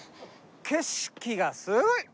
景色がすごい！